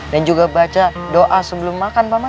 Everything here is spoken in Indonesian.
dan juga baca doa sebelum makan pak man